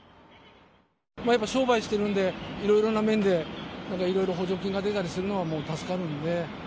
やっぱ商売してるんで、いろいろな面で、なんかいろいろ補助金が出たりするのは助かるんで。